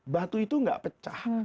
batu itu tidak pecah